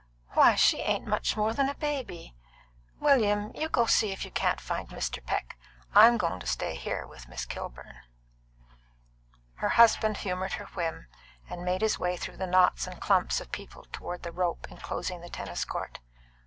"Why, she ain't much more than a baby! William, you go and see if you can't find Mr. Peck. I'm goin' to stay here with Miss Kilburn." Her husband humoured her whim, and made his way through the knots and clumps of people toward the rope enclosing the tennis court.